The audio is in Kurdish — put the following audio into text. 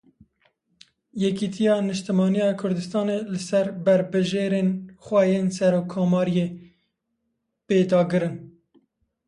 Yêkîtiya Niştimaniya Kurdistanê li ser berbijêrên xwe yên Serokkomariyê pêdagir in.